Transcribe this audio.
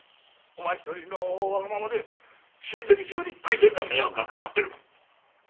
お前一人のわがままで親戚中に大変な迷惑がかかってる！